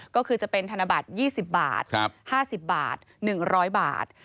ก็คือจะเป็นธนบัตร๒๐บาท๕๐บาท๑๐๐บาท